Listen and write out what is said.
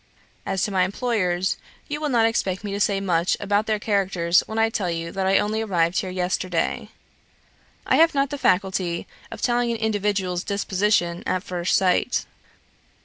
As to my employers, you will not expect me to say much about their characters when I tell you that I only arrived here yesterday. I have not the faculty of telling an individual's disposition at first sight.